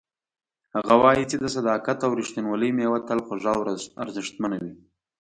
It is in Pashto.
هغه وایي چې د صداقت او ریښتینولۍ میوه تل خوږه او ارزښتمنه وي